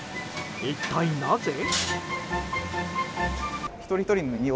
一体なぜ？